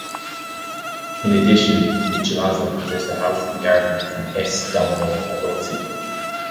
In addition, Michelozzo possessed a house and garden in S. Domino a Brozzi.